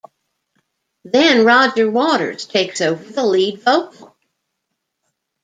Then Roger Waters takes over the lead vocal.